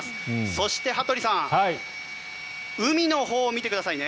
そして羽鳥さん海のほうを見てくださいね。